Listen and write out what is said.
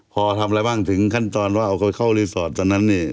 พอทำอะไรบ้างถึงขั้นตอนว่าเอาคนเข้ารีสอร์ทตอนนั้นเนี่ย